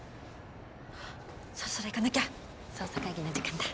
そろそろ行かなきゃ捜査会議の時間だ。